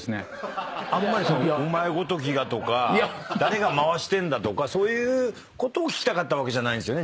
あんまり「お前ごときが」とか「誰が回してんだ」とかそういうことを聞きたかったわけじゃないんですよね。